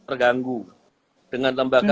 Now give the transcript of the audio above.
terganggu dengan lembaga